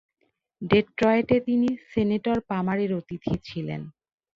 ডেট্রয়েটে তিনি সেনেটর পামারের অতিথি ছিলেন।